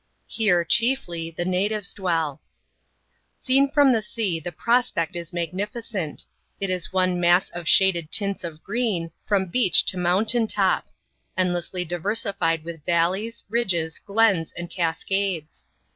Here, chiefly, the natives dwell. Seen from the sea, the prospect is magnificent. It is one mass of shaded tints of green, from beach to mountain top ; endlessly diversified with valleys, ridges, glens, and cascades.